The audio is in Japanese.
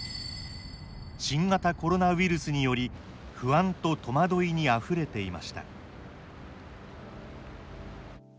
新型コロナウイルスにより不安と戸惑いにあふれていました。